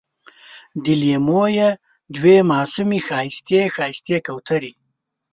د لېمو یې دوې معصومې ښایستې، ښایستې کوترې